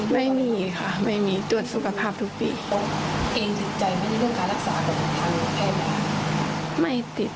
ได้ไหมค่ะ